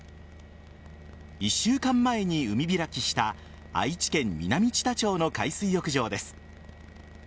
１週間前に海開きした愛知県南知多町の海水浴場です。